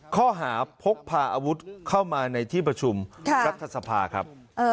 ข้อหาพกพาอาวุธเข้ามาในที่ประชุมรัฐสภาครับ